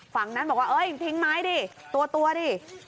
ฝั่งนั้นบอกว่าเอ้ยทิ้งไม้ดิตัวดิ